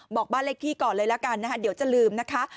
บอกบ้านเลขที่ก่อนเลยละกันนะคะเดี๋ยวจะลืมนะคะ